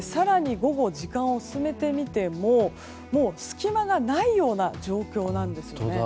更に午後、時間を進めてみてももう、隙間がないような状況なんですよね。